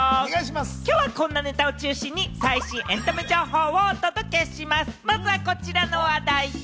きょうはこんなネタを中心に最新エンタメ情報をお届けします。